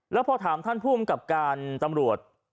แล้วพอถามท่านผู้อำกับการตำรวจ